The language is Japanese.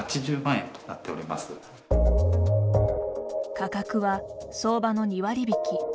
価格は、相場の２割引き。